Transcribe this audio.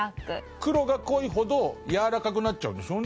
黒が濃いほど柔らかくなっちゃうんですよね？